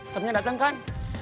cepatnya dateng kan